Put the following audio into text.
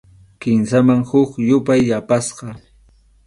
Kimsaman huk yupay yapasqa.